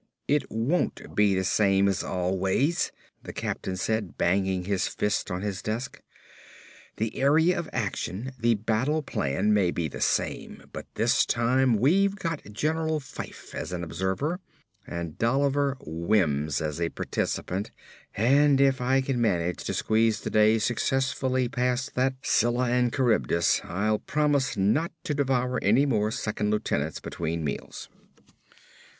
"It won't be the same as always!" the captain said, banging his fist on his desk. "The area of action, the battle plan may be the same but this time we've got General Fyfe as an observer and Dolliver Wims as a participant and, if I can manage to squeeze the day successfully past that Scylla and Charybdis, I'll promise not to devour any more second lieutenants between meals."